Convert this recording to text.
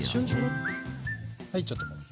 はいちょっともんで。